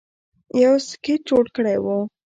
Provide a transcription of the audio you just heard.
یو سکیچ جوړ کړی وو